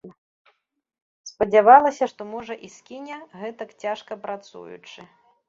Спадзявалася, што, можа, і скіне, гэтак цяжка працуючы.